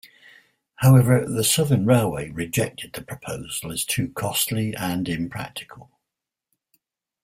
However, the Southern Railway rejected the proposal as too costly and impractical.